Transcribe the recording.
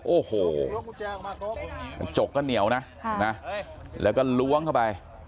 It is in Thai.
โอ้โหกระจกก็เหนียวนะแล้วก็ล้วงเข้าไป